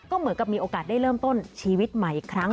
ก็เหมือนกับมีโอกาสได้เริ่มต้นชีวิตใหม่อีกครั้ง